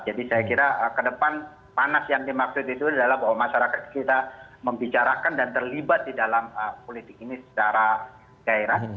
jadi saya kira ke depan panas yang dimaksud itu adalah bahwa masyarakat kita membicarakan dan terlibat di dalam politik ini secara keairan